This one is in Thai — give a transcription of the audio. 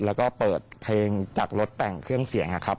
แล้วก็เปิดเพลงจากรถแต่งเครื่องเสียงนะครับ